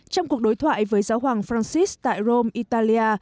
trong cuộc đối thoại với giáo hoàng francis tại rome italia